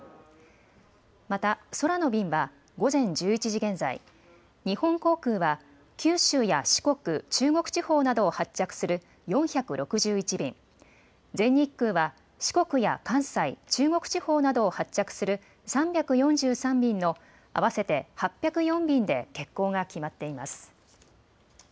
また空の便は午前１１時現在、日本航空は九州や四国、中国地方などを発着する４６１便、全日空は四国や関西、中国地方などを発着する３４３便の合わせて８０４便で欠航が決まっています。